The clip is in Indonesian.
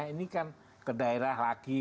kita sudah kembali ke daerah